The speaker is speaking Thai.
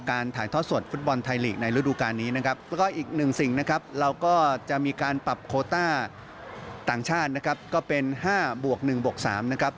โคต้าต่างชาตินะครับก็เป็น๕บวก๑บวก๓นะครับ